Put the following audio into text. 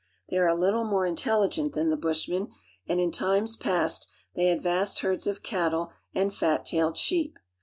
They are a httle more intelligent than the Bushmen, and in times past they had vast herds of cattle and fat tailed sheep.